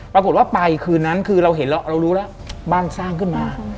ปรากฏว่าไปคืนนั้นคือเราเห็นเรารู้แล้วบ้านสร้างขึ้นมา